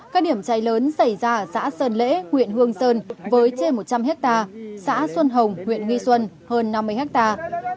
các điểm cháy lớn xảy ra ở xã sơn lễ huyện hương sơn với trên một trăm linh hectare xã xuân hồng huyện nghi xuân hơn năm mươi hectare